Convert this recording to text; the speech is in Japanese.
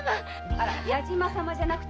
あら「矢島様」じゃなくてうち。